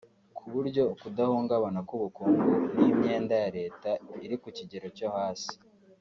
kuburyo ukudahungabana k’ubukungu n’imyenda ya leta iri ku kigero cyo hasi